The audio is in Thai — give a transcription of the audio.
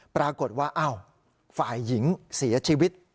ปรากฏว่าอ้าวฝ่ายหญิงเสียชีวิต